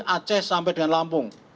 aceh sampai dengan lampung